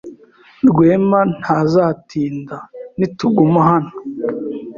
Rwema ntazatinda nituguma hano.